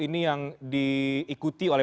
ini yang diikuti oleh